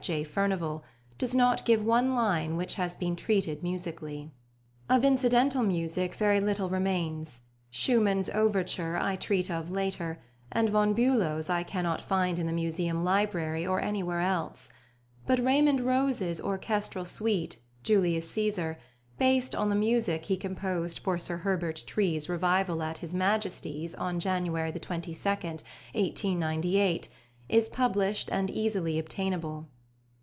J. Furnivall, does not give one line which has been treated musically. Of incidental music very little remains; Schumann's overture I treat of later, and von Bülow's I cannot find in the Museum library or anywhere else; but +Raymond Rôze's+ orchestral suite, Julius Cæsar, based on the music he composed for Sir Herbert Tree's revival at His Majesty's on January 22, 1898, is published and easily obtainable.